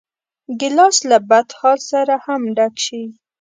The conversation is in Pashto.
ګیلاس له بدحال سره هم ډک شي.